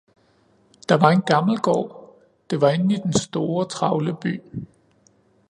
Der var en gammel gård, det var inde i den store, travle by